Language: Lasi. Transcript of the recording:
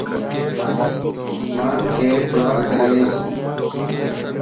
مانک دعا ڪريج